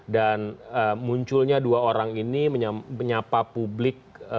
dan munculnya dua orang ini menyapa publik